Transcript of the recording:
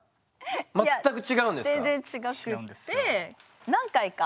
全く違うんですか？